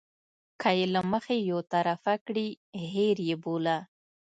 که یې له مخې یو طرفه کړي هېر یې بوله.